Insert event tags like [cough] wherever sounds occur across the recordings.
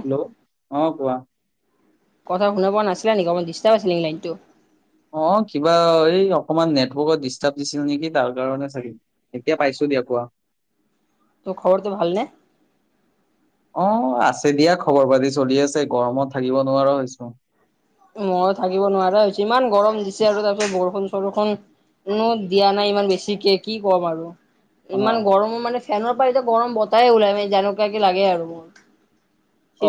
Hello অ কোৱা কথা শুনা পোৱা নাছিলে নেকি অকণমান ডিষ্টাৰ আছিল নেকি লাইনটো। অ কিবা এই অকমান নেটৱৰ্কত ডিষ্টাৰ্ব দিছিল নেকি তাৰ কাৰণে চাগে এতিয়া পাইছো। দিয় কোৱা তোৰ খবৰটো ভালনে। অ আছে দিয়া খবৰ পাতি চলি আছে গৰমত থাকিব নোৱাৰো হৈছো। মই থাকিব নোৱাৰা হৈছে ইমান গৰম দিছে আৰু তাৰ পিছত বৰষুণ চৰষুণ উ দিয়া নাই ইমান বেছিকে কি ক'ম আৰু। অ ইমান গৰমৰ মানে ফেনৰ পৰা এতিয়া গৰম বতাহ ওলাই ম যেনেকুৱ কি লাগে আৰু মোৰ।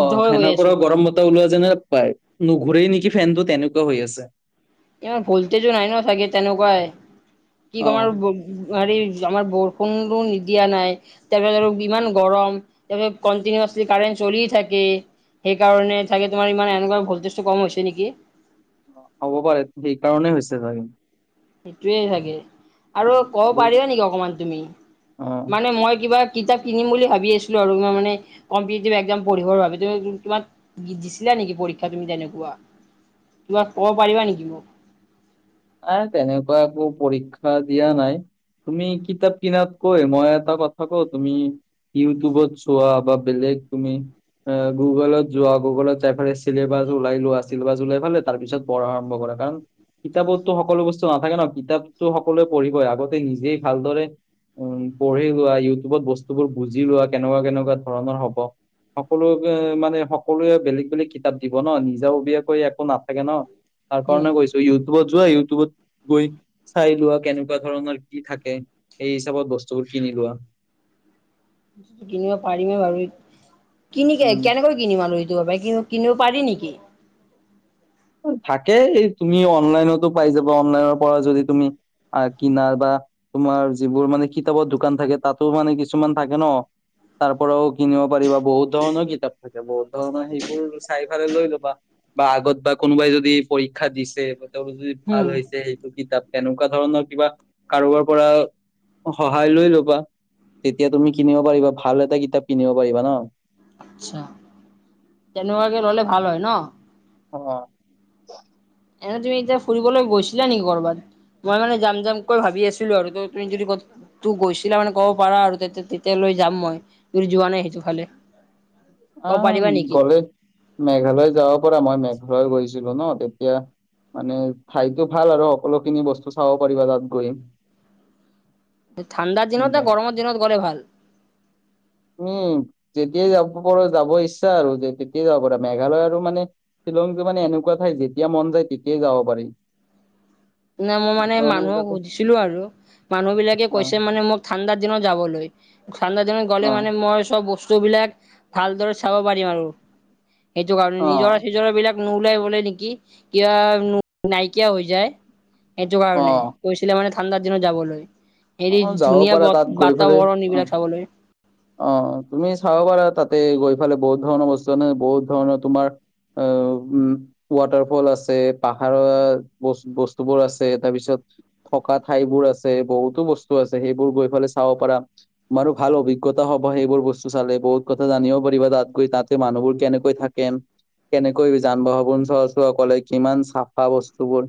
অ হৈ গৈ ফেনৰ আছো পৰাও পুৰা গৰম মতা ওলোৱা যেনে পায় নুঘূৰেই নেকি। ফেনটো তেনেকুৱা হৈ আছে। ইমান ভলটেজো নাই ন চাগে তেনেকুৱাই কি অ তোমাৰ হেৰি। আমাৰ বৰষুণো দিয়া নাই, তাৰে পিছত আৰু ইমান গৰম, তাৰে পিছত কন্টিনুৱাচলি কাৰেণ্ট চলি থাকে, সেইকাৰণে থাকে তোমাৰ ইমান এনেকুৱা ভলটেজটো কম হৈছে নেকি। হ'ব পাৰে, সেই কাৰণেই হৈছে চাগে। সেইটোৱে চাগে অ আৰু ক'ব বহুত পাৰি নেকি অকমান তুমি অ মানে মই কিবা কিতাপ কিনিম বুলি ভাবি আছিলো আৰু মই মানে কম্পিওটিভ এক্জাম পঢ়িবৰ বাবে, কিবা দিছিলা নেকি পৰীক্ষা তুমি তেনেকুৱা, কিবা ক'ব পাৰিবা নেকি মোক? আ তেনেকুৱা একো পৰীক্ষা দিয়া নাই তুমি কিতাপ কিনাত কৈ মই এটা কথা কওঁ, তুমি ইউটিউবত চোৱা বা বেলেগ তুমি অহ গুগলত যোৱা, গুগলত যাইফালে চিলেবাছ ওলাই লোৱা, চিলেবাছ ওলাই ফালে তাৰ পিছত পঢ়া আৰম্ভ কৰা্ [unintelligible] কিতাপতো সকলো বস্তু নাথাকে ন, কিতাপতো সকলোৱে পঢ়িবই আগতে নিজেই ভালদৰে উম পঢ়ি লোৱা, ইউটিউবত বস্তুবোৰ বুজি লোৱা, কেনেকুৱা কেনেকুৱা ধৰণৰ হ'ব। সকলো মানে সকলোৱে বেলেগ বেলেগ কিতাপ দিব ন, নিজাববীয়াকৈ একো নাথাকে ন তাৰ উম কাৰণে কৈছো যোৱা ইউটিউবত গৈ চাই লোৱা কেনেকুৱা ধৰণৰ কি থাকে। হিচাপত বস্তুবোৰ কিনি লোৱা। কিনিব পাৰিমে বাৰু, কিনি উম কেনেকৈ কিনিম আৰু বাই কিনিব কিনিব পাৰি নেকি? থাকেই এই তুমি অনলাইনতো পাই যাবা, অনলাইনৰ পৰা যদি তুমি আ কিনাৰ বা তোমাৰ যিবোৰ মানে কিতাপৰ দোকান থাকে, তাতো মানে কিছুমান থাকে ন। তাৰপৰাও কিনিব পাৰিবা, বহুত ধৰণৰ কিতাপ থাকে, বহুত ধৰণৰ সেইবোৰ চাই ফালে লৈ ল'বা, বা আগত বা কোনোবাই যদি পৰীক্ষা দিছে, বা তেওঁৰো যদি উম ভাল হৈছে সেইটো কিতাপ এনেকুৱা ধৰণৰ কিবা, কাৰোবাৰ পৰা সহায় লৈ ল'বা, তেতিয়া তুমি কিনিব পাৰিবা, ভাল এটা কিতাপ কিনিব পাৰিবা ন। আচ্ছা তেনেকোৱাকে ল'লে ভাল হয় ন? অহ এনে তুমি এতিয়া ফুৰিবলৈ গৈছিলা নেকি ক'ৰবাত? মই মানে যাম যাম কৈ ভাবি আছিলো আৰু, ত তুমি যদি ক'ত গৈছিলা মানে ক'ব পাৰা আৰু তেতিয়ালৈ যাম মই, যোৱা নাই সেইটো ফালে? ক'ব অহ পাৰিবা নেকি? গ'লে মেঘালয় যাব পৰা, মই মেঘালয় গৈছো। ন তেতিয়া মানে ঠাইতো ভাল আৰু, সকলোখিনি বস্তু চাব পাৰিবা তাত গৈ। ঠাণ্ডাৰ দিনত নে, মে- গৰমৰ দিনত গ'লে ভাল? উম যেতিয়াই যাব পাৰ যাব ইচ্ছা আৰু তেতিয়াই যাব পাৰা মেঘালয়, আৰু মানে শিলং টো মানে এনেকুৱা ঠাই, যেতিয়া মন যায় তেতিয়াই যাব পাৰি। নে মই মানে সেইকাৰণে মানুহক তাতে সুধিছিলো আৰু মানুহ বিলাকে অ', কৈছে মানে মোক ঠাণ্ডাৰ দিনত যাবলৈ। ঠাণ্ডা দিনত গ'লে অ', মানে, মই চব বস্তুবিলাক ভালদৰে চাব পাৰিম। আৰু সেইটো কাৰণে, অ', নিজৰ-ছিজৰা বিলাক নোলাই বলে নেকি, কিবা নাইকিয়া হৈ যায়? এইটো কাৰণে, অ', কৈছিলে মানে ঠাণ্ডাৰ দিনত যাবলৈ। হেৰি অ যাব ধুনীয়া ব পাৰা, তাত গৈ পালাই বাতাবৰণ অ এইবিলাক চাবলৈ অ তুমি চাব পাৰা তাতে গৈ ফালে, বহুত ধৰণৰ বস্তু আনে বহুত ধৰণৰ তোমাৰ অ উ ৱাটাৰ ফল আছে, পাহাৰৰ ব বস্তুবোৰ আছে, তাৰ পিছত থকা ঠাইবোৰ আছে, বহুতো বস্তু আছে সেইবোৰ গৈ ফালে চাব পাৰা। তোমাৰো ভাল অভিজ্ঞতা হ'ব, সেইবোৰ বস্তু চালে বহুত কথা জানিব পাৰিবা তাত গৈ, তাতে মানুহবোৰ কেনেকৈ থাকে কেনেকৈ যান-বাহন চলা-চল কৰে, কিমান চাফা বস্তুবোৰ।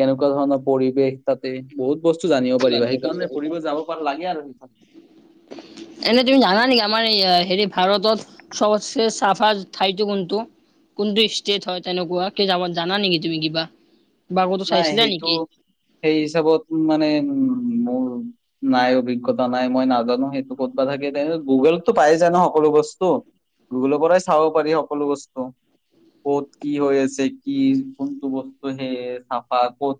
কেনেকুৱা ধৰণৰ পৰিৱেশ তাতে, বহুত বস্তু জানিব পাৰিবা, সেইকাৰণে ফুৰিব যাব পা লাগে আৰু সেইফালে [unintelligible] এনে তুমি জানা নেকি আমাৰ হেৰি ভাৰতত সবতসে চাফা ঠাইটো কোনটো কোনটো ষ্টেট হয় তেনেকুৱা জানা নেকি তুমি কিবা বা ক'তো নাই চাইছিলা সেইটো নেকি সেই হিচাপত মানে উ মোৰ নাই অভিজ্ঞতা নাই মই নাজানো সেইটো ক'তবা থাকে গুগলততো পাই যায় ন সকলো বস্তু গুগলৰ পৰাই চাব পাৰি সকলো বস্তু ক'ত কি হৈ আছে কি কোনটো বস্তু হে- চফা ক'ত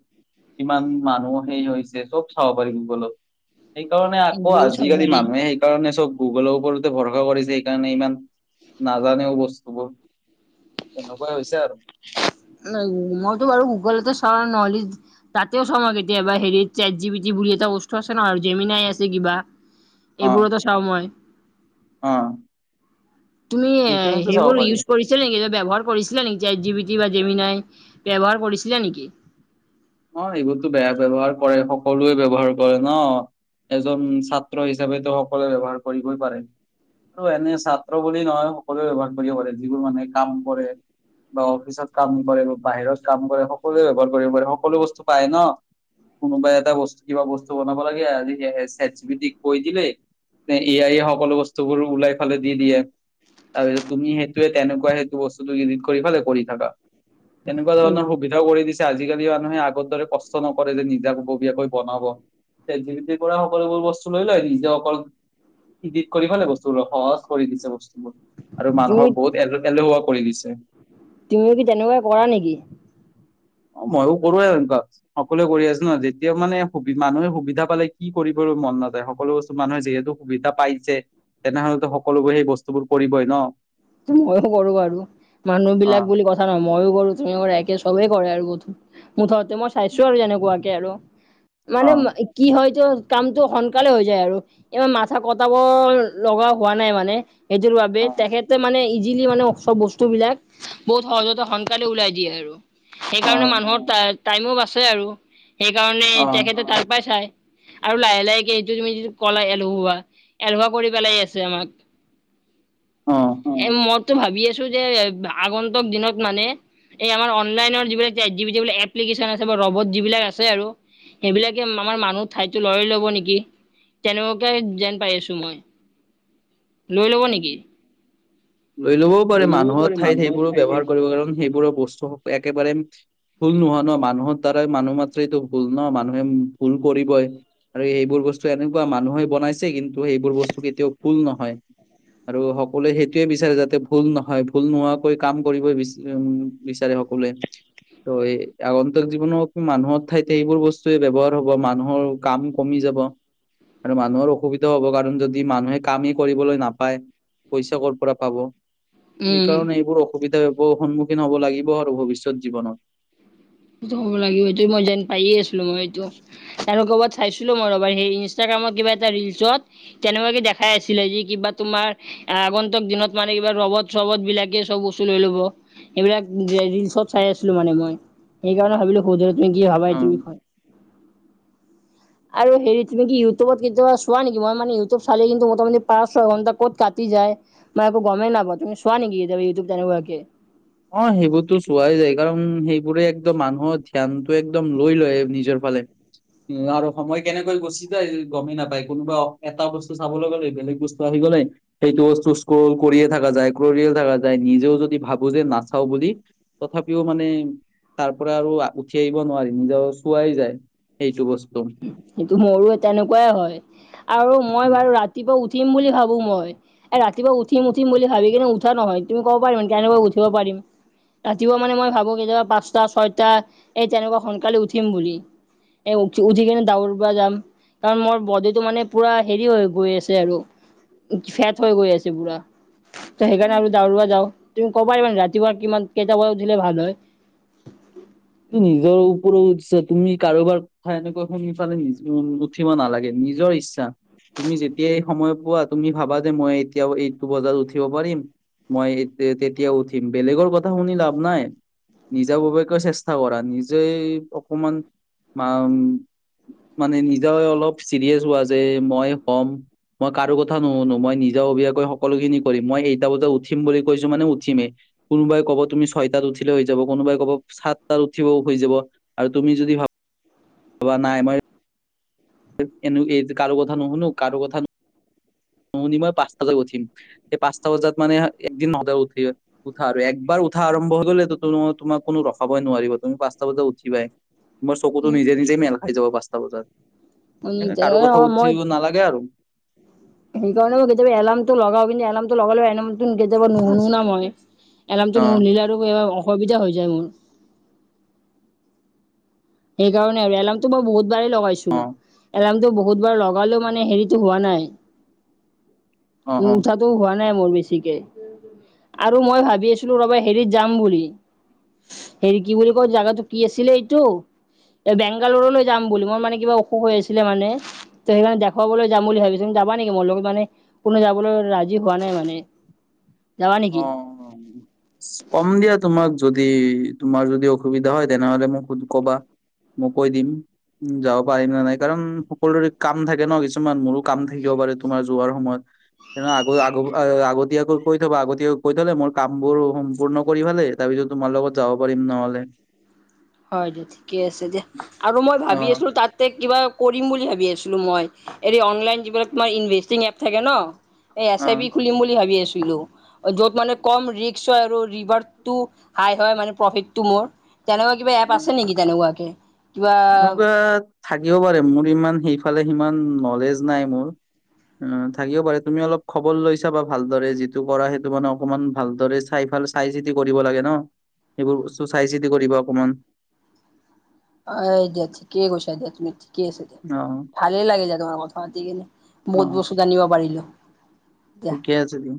কিমান মানুহ সেই হৈছে চব চাব পাৰি গুগলত সেইকাৰণে আকৌ গুগলত চাব আজিকালি পাৰি মানুহে সেইকাৰণে চব গুগলৰ ওপৰতে ভৰসা কৰিছে সেইকাৰণে ইমান নাজানেও বস্তুবোৰ তেনেকুৱা হৈছে আৰু ন মইতো বাৰু গুগলতে চাও এ তাতেও চাঁও মই কেতিয়াবা হেৰিত চেট জি পি টি বুলি এটা বস্তু আছে ন জেমিনাই আছে কিবা অ এইবোৰোতো চাঁও মই অ তুমি এ এইখিনিতো চাব সেইবোৰ পাৰি ইউজ কৰিছিলা নেকি নে ব্যৱহাৰ কৰিছিলে নেকি চেট জি পি টি বা জেমিনাই ব্যৱহাৰ কৰিছিলে নেকি অ এইবোৰতো বেয়া ব্যৱহাৰ কৰে সকলোৱে ব্যৱহাৰ কৰে। ন এজন ছাত্ৰ হিচাপেতো সকলোৱে ব্যৱহাৰ কৰিবই পাৰে আৰু এনে ছাত্ৰ বুলি নহয় সকলোৱে ব্যৱহাৰ কৰিব পাৰে যিবোৰ মানুহে কাম কৰে বা অফিচত কাম কৰে বা বাহিৰত কাম কৰে সকলোৱে ব্যৱহাৰ কৰিব পাৰে সকলো বস্তু পায়। ন কোনোবা এটা বস্তু কিবা বস্তু বনাব লাগে আজকালি চেট জি পি টিক কৈ দিলে। এ আই সকলো বস্তুবোৰ ওলাই ফালে দি দিয়ে তাৰপিছত তুমি সেইটোৱে তেনেকুৱা সেইটো বস্তু ইডিট কৰি ফালে কৰি থাকা- এনেকুৱা ধৰণৰ সুবিধাও কৰি দিছে আজিকালি। মানুহে আগৰ দৰে কষ্ট নকৰে যে নিজাববীয়াকৈ বনাব- চেট জি পি টিৰ পৰা সকলোবোৰ বস্তু লৈ লয় নিজে অকল- ইডিট কৰি পেলাই বস্তুবোৰ সহজ কৰি দিছে বস্তুবোৰ- আৰু তুমি মানুহক বহুত এ এলেুৱা কৰি দিছে- তুমিও কি তেনেকুৱা কৰা নেকি? অ মইয়ো কৰো এনেকুৱা সকলোৱে কৰি আছে ন যেতিয়া মানে মানুহে মানুহে সুবিধা পালে কি কৰিব- মন নাযায় সকলো বস্তু মানুহে যিহেতু সুবিধা পাইছে তেনেহলেতো সকলোবোৰ সেই বস্তুবোৰ কৰিবই ন- ময়ো কৰো বাৰু মানুহ অ। বিলাক বুলি কথা নহয় ময়ো কৰো তুমিও কৰা একে চবেই- কৰে আৰু মুঠতে মই চাইছো আৰু যেনেকুৱাকে আৰু মানে অ কি হয়তো- কামতটো সোনকালে হৈ যায় আৰু ইমান মাথা খটাব লগা হোৱা নাই মানে। এইটোৰ বাবে তেখেত- মানে ইজিলি মানে চব বস্তু বিলাক বহুত সহজতে সোনকালে উলাই দিয়ে আৰু অ সেইকাৰণে মানুহৰ টাইমো বাচে আৰু সেইকাৰণে তেখেতে অ তাৰ পৰা চাই- আৰু লাহে লাহে এইটো তুমি যিটো কলা এলেহুৱা এলেহুৱা কৰি পেলাই আছে আমাক- এ মইতো ভাবি আছো যে আগন্তক দিনত মানে এই আমাৰ অনলাইনৰ যিবিলাক চেট জি পি টি বুলি এপ্লিকেশন আছে ৰবট যিবিলাক আছে আৰু- সেইবিলাকে আমাৰ মানুহ ঠাইতো লই লব নেকি তেনেকুৱাই যেন পাই আছো মই- লৈ লব অ। নেকি? লৈ ল'বও লৈ পাৰে ল'বও মানুহৰ পাৰে ঠাইত সেইবোৰো ব্যৱহাৰ এইবোৰ কৰিব কাৰণ সেইবোৰৰ বস্তু একেবাৰে- ভুল নোহোৱা ন মানুহৰ দ্বাৰাই মানুহ মাত্ৰ এইটো ভুল ন মানুহে ভুল কৰিবই আৰু এইবোৰ- বস্তু এনেকুৱা মানুহে বনাইছে কিন্তু সেইবোৰ বস্তু কেতিয়াও ফুল নহয়। আৰু সকলোৱে সেইটোৱে বিচাৰে যাতে ভুল নহয় ভুল নোহোৱাকৈ কাম কৰিব বিচ উ- বিচাৰে সকলোৱে- ত এই আগন্তক জীৱনত মানুহৰ ঠাইতে এইবোৰ বস্তুুৱে ব্যৱহাৰ হব মানুহৰ কাম কমি যাব- আৰু মানুহৰ অসুবিধাও হব কাৰণ যদি মানুহে কামেই কৰিবলৈ নাপ- পইচা কৰ পৰা পাব, উম সেইকাৰণে এইবোৰ অসুবিধা সন্মুখীন হ'ব লাগিব আৰু ভৱিষ্যত জীৱনত। সেইটো হ'ব লাগিব। সেইটো মই যেন পায়ে আছিলো মই এইটো তেওঁলোক চাইছিলো মই ৰবা সেই ইনষ্টাগ্ৰামত কিবা এটা ৰিলচত তেনেকুৱাকে দেখাই আছিলে যে কিবা তোমাৰ আগন্তক দিনত মানে কিবা ৰবত-চবত বিলাকে চব বস্তু লৈ ল'ব। এইবিলাক ৰিলছত চাই আছিলো মানে মই। সেইকাৰণে ভাবিলো [unintelligible] তুমি কি ভাবা অ তোৰ বিষয় আৰু হেৰি তুমি কি ইউটিউব কেতিয়া চোৱা নেকি? মই মানে ইউটউ চে কিন্তু মোটামুটি পাঁচ ছয় ঘণ্টা কত কাটি যায়। মই একো গমেই নাই পোৱা। তুমি চোৱা নিকি ইউটিউব তেনেকুৱাকৈ? অ, সেইবোৰতো চোৱাই যায় কাৰণ সেইবোৰে একদম মানুহৰ ধ্যানতটো একদম লৈ লয় নিজৰ ফালে। উম, আৰু সময় কেনেকৈ গুচি যায় গমেই নাপায়। কোনোবা এটা বস্তু চাবলৈ গ'লে বেলেগ বস্তু আহি সেইটো কৰি থাক যায় ক থকা যায় নিজেও যদি ভাব বুজে নাচাও বুলি তথাপিও মানে তাৰ পৰা আৰু উঠি আহিব নোৱাৰি নিজৰ চোৱাই যায় সেইটো বস্তু। সেইটো মোৰো তেনেকুৱাই হয় আৰু মই উম বাৰু ৰাতিপুৱা উঠিম বুলি ভাবো মই। এ, ৰাতিপুৱা উঠিম উঠিম বুলি ভাবি কিন্তু উঠা নহয়। তুমি ক'ব পাৰিম কেনেুৱা উঠিব পাৰিম। ৰাতিপুৱা মানে মই ভাবো কেতিয়াবা পাঁচটা, ছয়টা এই তেনেকুৱা সোনকালে উঠিম বুলি। এ উঠি কিনে দৌৰিব যাম কাৰণ মোৰ বডিটো মানে পুৰা হেৰি হৈ গৈ আছে আৰু। ফেট হৈ গৈ আছে পুৰা। ত, অ সেইকাৰণে আৰু দৌৰিব যাওঁ। তুমি ক'ব পাৰিবানে ৰাতিপুৱা কিমান কেইটা বজাত উঠিলে ভাল হয়। নিজৰ ওপৰত ইচ্ছা তুমি কাৰোবাৰ কথা এনেকুৱা শুনি ফালে নি উঠিব নালাগে নিজৰ ইচ্ছা তুমি যেতিয়াই সময় পোৱা তুমি ভাবা যে মই এতিয়া এইটো বজাৰ উঠিব পাৰিম। মই, তেতিয়া উঠিম। বেলেগৰ কথা শুনি লাভ নাই। নিজা ববিয়াকৈ চেষ্টা কৰা। নিজেই অকমান ম মানে নিজে অলপ চিৰিয়াচ হোৱা যে মই হ'ম মই কাৰো কথা নুশুনো মই নিজেও সকলো খিনি কৰিম। মই এইটা বজাত উঠি বুলি কৈছো মানে উঠিমেই। কোনোবাই ক'ব তুমি ছয়টাত উঠি হৈ যাব কোনোবাই ক'ব চাত ত, উঠিব হৈ যাব। আৰু তুমি যদি ভা ভাবা নাই মই এনে এই যে কাৰো কথা নহুনো কাৰো কথা ন [inaudible] শুনি মই পাঁচটাত উঠিম, সেই পাঁচটা বজাত মানে একদিন নহলে উঠা, একবাৰ নহ'লে উঠা আৰু হৈ গ'লে তোমাক কোনো ৰখাবই নোৱাৰিব তুমি পাঁচটা বজাত উঠিবাই। তোমাৰ চকুতো নিজে নিজেই মেল খাই যাব পাঁচটা বজাত। কাৰো কথা মই বুজিব নালাগে আৰু। সেইকাৰণে মই কেতিয়াবা এলাৰ্ম তটো লগাও কিন্তু এলাৰ্মটো লগালে এলাৰ কেতিয়াবা নুশুনো ন মই। এলাৰ্মটো অ'। নুশনিলে আৰু অসুবিধা হৈ যায় মোৰ। সেইকাৰণে আৰু এলাৰ্মটো মই বহুত বাৰে লগাইছো। অ', এলাৰ্মটো ব বহুতবাৰ লগালেও মানে হেৰিতটো হোৱা নাই। অ', অ', উঠাটো হোৱা নাই মোৰ বেছিকে। আৰু মই ভাবি আছিলো ৰবা হেৰিত যাম বুলি। হেৰি কি বুলি কয় জাগাটো কি আছিলে এইটো এ, বেংগালোৰলৈ যাম বুলি মই মানে কিবা অসুখ হৈ আছিলে মানে। তো সেইকাৰে দেখুৱাবলৈ যাম বুলি ভাবিছো। যাবা নেকি? মোৰ লগ মানে কোনে যাবলৈ ৰাজি হোৱা নাই মানে। যাবা অ, নেকি? কম দিয়া তোমাক যদি তোমাৰ যদি অসুবিধা হয়। তেনেহলে মোক কবা মই কৈ দিম। উম, যাব পাৰিম না নাই, কাৰণ সকলোৰে কাম থাকে ন কিছুমান মোৰো কাম থাকিব পাৰে তোমাৰ যোৱাৰ সময়ত। আগ আগ আগত আগত কৈ থবা আগতীয়াকৈ কৈ থলে মোৰ কামবোৰ সম্পূৰ্ণ কৰি ফালে তাৰ পিছত তোমাৰ লগত যাব পাৰিম নহ'লে। হ'য়, ঠিকে আছে দিয়া আৰু মই অ', ভাৱি আছিলো তাতে কিবা কৰিম বুলি ভাৱি আছিলোঁ মই। হেৰি অনলাইন কিবাত মই ইনভেষ্টিং এপ থাকে ন'? এ এছ আই বি অ', খুলিম বুলি ভাৱি আছোঁ। লো। য'ত মানে, কম ৰিক্স হ'য় আৰু ৰিৰ্ভাতটো হাই হ'য়, মানে প্ৰফিতটো মোৰ। তেনেকুৱা কিবা এপ আছে নেকি তেনেকুৱাকে? কিবা এনেকুৱা থাকিব পাৰে। মোৰ ইমান সেইফালে সিমান নলেজ নাই মোৰ। অঁ, থাকিব পাৰে, তুমি অলপ খবৰ লৈ চাবা ভালদৰে। যিটো কৰা সেইটো মানে অকমান ভালদৰে চাই ভাল চাই-চিতি কৰিব লাগে ন'। সেইবোৰ বস্তু চাই-চিতি কৰিবা অকমান। [inaudible] অঁ দিয়া, ঠিকেই কৈছা। দিয়া, তুমি ঠিকেই আছে। অ ভালেই লাগে দিয়া তোমাৰ লগত কথা পাতি। বহুত বস্তু জানিব পাৰিলোঁ। ঠিকেই আছে দিয়া।